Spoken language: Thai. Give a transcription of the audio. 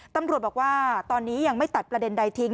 ตำรวจบอกว่าตอนนี้ยังไม่ตัดประเด็นใดทิ้ง